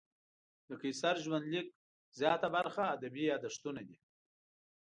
د قیصر ژوندلیک زیاته برخه ادبي یادښتونه دي.